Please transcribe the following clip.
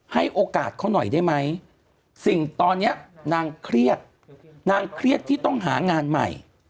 ให้โอกาสเขาหน่อยได้ไหมสิ่งตอนนี้นางเครียดนางเครียดที่ต้องหางานใหม่